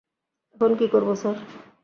এখন কী করবো, স্যার?